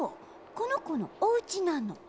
このこのおうちなの。